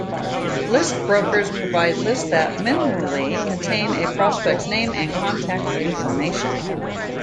List brokers provide lists that, minimally, contain a prospect's name and contact information.